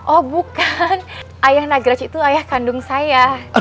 oh bukan ayah nagraj itu ayah kandung saya